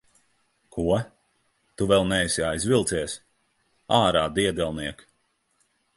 Ko? Tu vēl neesi aizvilcies? Ārā, diedelniek!